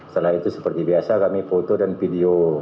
setelah itu seperti biasa kami foto dan video